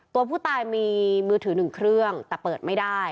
ตัวผู้ตายมีมือถือหนึ่งเครื่องแต่เปิดไม่ได้